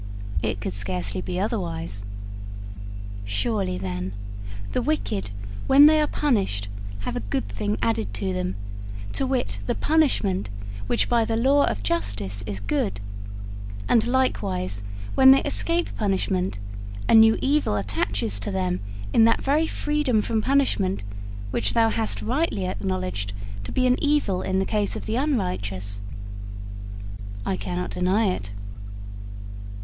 'It could scarcely be otherwise.' 'Surely, then, the wicked, when they are punished, have a good thing added to them to wit, the punishment which by the law of justice is good; and likewise, when they escape punishment, a new evil attaches to them in that very freedom from punishment which thou hast rightly acknowledged to be an evil in the case of the unrighteous.' 'I cannot deny it.'